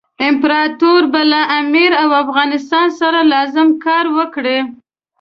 امپراطور به له امیر او افغانستان سره لازم کار وکړي.